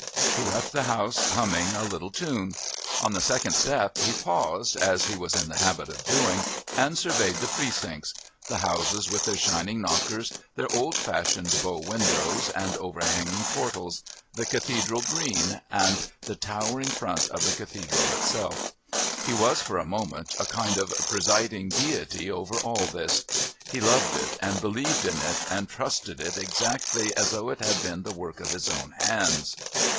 He left the house, humming a little tune. On the second step he paused, as he was in the habit of doing, and surveyed the Precincts the houses with their shining knockers, their old fashioned bow windows and overhanging portals, the Cathedral Green, and the towering front of the Cathedral itself. He was, for a moment, a kind of presiding deity over all this. He loved it and believed in it and trusted it exactly as though it had been the work of his own hands.